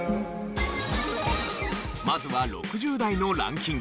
まずは６０代のランキング。